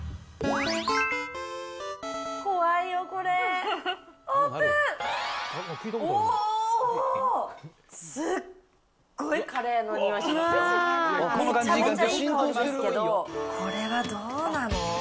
めちゃめちゃいい香りですけど、これはどうなの？